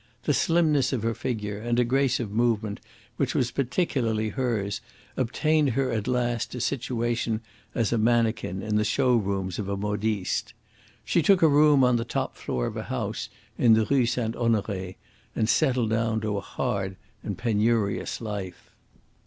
The slimness of her figure and a grace of movement which was particularly hers obtained her at last a situation as a mannequin in the show rooms of a modiste. She took a room on the top floor of a house in the Rue St. Honore and settled down to a hard and penurious life.